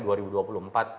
dan mencari penyelamat